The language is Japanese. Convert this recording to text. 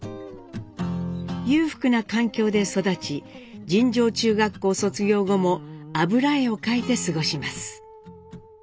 裕福な環境で育ち尋常中学校卒業後も油絵を描いて過ごします。